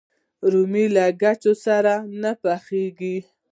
رومیان له کوچ سره نه پخېږي